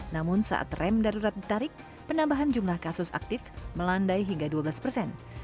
namun saat rem darurat ditarik penambahan jumlah kasus aktif melandai hingga dua belas persen